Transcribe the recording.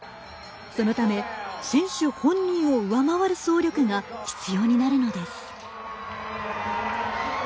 そのため選手本人を上回る走力が必要になるのです。